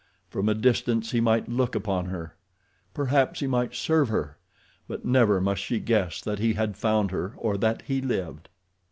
From a distance he might look upon her. Perhaps he might serve her; but never must she guess that he had found her or that he lived.